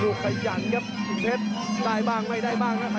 ลูกพยานครับพี่เผชรได้บ้างไม่ได้บ้างนะครับ